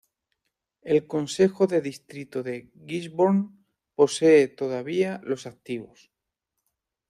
El Consejo de Distrito de Gisborne posee todavía los activos.